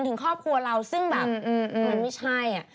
ถึงครอบครัวเราซึ่งแบบมันไม่ใช่